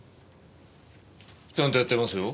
ちゃんとやってますよ。